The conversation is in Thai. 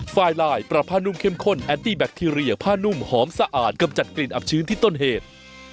ไฟลายปรับผ้านุ่มเข้มข้นแอนตี้แบคทีเรียผ้านุ่มหอมสะอาดกำจัดกลิ่นอับชื้นที่ต้นเหตุ